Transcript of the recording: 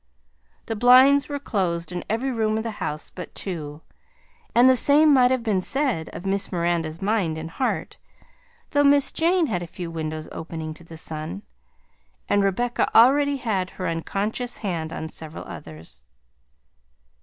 The blinds were closed in every room of the house but two, and the same might have been said of Miss Miranda's mind and heart, though Miss Jane had a few windows opening to the sun, and Rebecca already had her unconscious hand on several others.